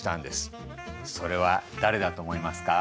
それは誰だと思いますか？